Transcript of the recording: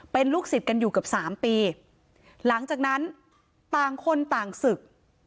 เป็นลูกศิษย์กันอยู่เกือบสามปีหลังจากนั้นต่างคนต่างศึก